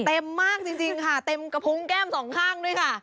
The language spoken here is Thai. เต็มมากจริงค่ะเต็มกระพุงแก้มสองข้างด้วยค่ะ